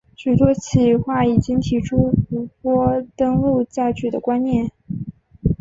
许多企划已经提出湖泊登陆载具的观念。